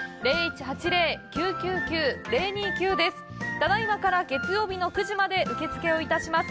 ただいまから月曜日の９時まで受付をいたします。